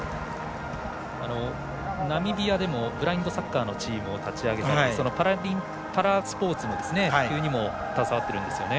ナミビアでもブラインドサッカーのチームを立ち上げたりパラスポーツの普及にも携わっているんですよね。